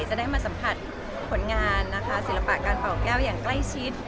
จะได้มาสัมผัสผลงานนะคะศิลปะการเป่าแก้วอย่างใกล้ชิด